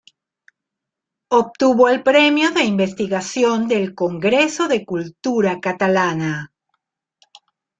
Obtuvo el Premio de Investigación del Congreso de Cultura Catalana.